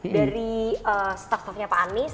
dari staff staffnya pak anies